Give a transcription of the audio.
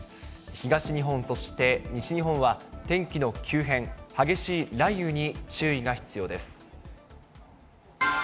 東日本、そして西日本は天気の急変、激しい雷雨に注意が必要です。